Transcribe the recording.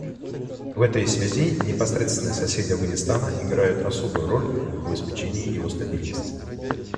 В этой связи непосредственные соседи Афганистана играют особую роль в обеспечении его стабильности.